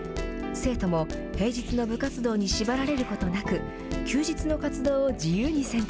生徒も平日の部活動に縛られることなく、休日の活動を自由に選択。